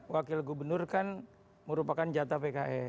wakil gubernur kan merupakan jatah pks